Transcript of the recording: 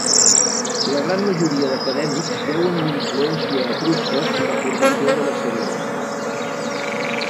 La gran majoria d'acadèmics veuen influència etrusca en la formació de les cerimònies.